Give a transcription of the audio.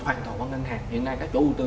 hoàn toàn bằng ngân hàng hiện nay các chủ đầu tư